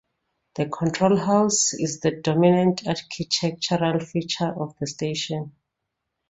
The control house is the dominant architectural feature of the station.